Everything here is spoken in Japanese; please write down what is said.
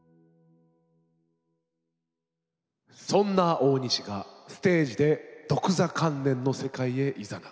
そんな大西がステージで独座観念の世界へ誘う。